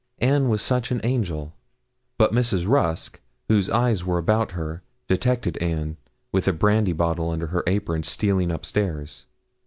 Anne was such an angel! But Mrs. Rusk, whose eyes were about her, detected Anne, with a brandy bottle under her apron, stealing up stairs.